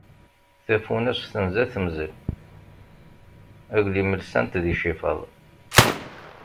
Tafunast tenza temzel, aglim lsan-t d icifaḍ.